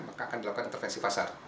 maka akan dilakukan intervensi pasar